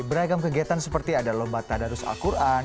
beragam kegiatan seperti ada lomba tadarus al quran